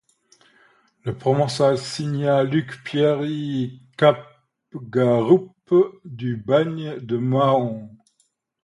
Le provençal signa Luc-Pierre Capgaroupe, du bagne de Mahon.